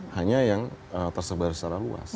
hanya yang tersebar secara luas